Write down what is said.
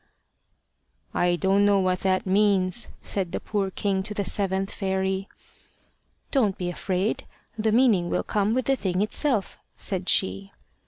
"I don't know what that means," said the poor king to the seventh fairy. "Don't be afraid. The meaning will come with the thing itself," said she.